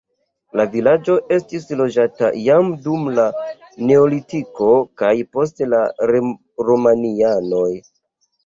La vilaĝo estis loĝata jam dum la neolitiko kaj poste de romianoj.